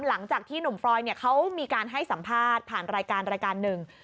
หลังจากที่หนุ่มฟรอยเขามีการให้สัมภาษณ์ผ่านรายการรายการหนึ่ง